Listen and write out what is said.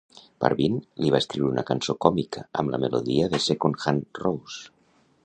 Parvin li va escriure una cançó còmica amb la melodia de "Second Hand Rose".